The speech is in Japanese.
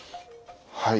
はい。